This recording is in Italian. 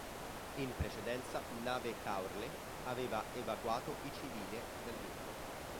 In precedenza nave Caorle aveva evacuato i civile dal Libano.